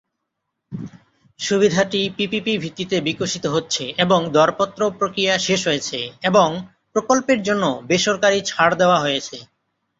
সুবিধাটি পিপিপি ভিত্তিতে বিকশিত হচ্ছে এবং দরপত্র প্রক্রিয়া শেষ হয়েছে এবং প্রকল্পের জন্য বেসরকারী ছাড় দেওয়া হয়েছে।